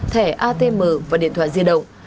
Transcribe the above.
thẻ atm và điện thoại diệt động